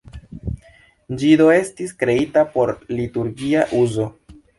Ĝi do estis kreita por liturgia uzo.